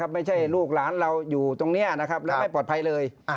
ไม่ใช่ลูกหลานเราอยู่ตรงนี้แล้วไม่ปลอดภัยเลย